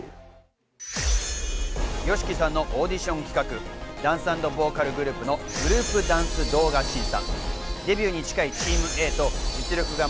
ＹＯＳＨＩＫＩさんのオーディション企画、ダンス＆ボーカルグループのグループダンス動画審査。